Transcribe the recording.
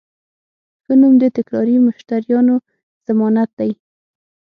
ښه نوم د تکراري مشتریانو ضمانت دی.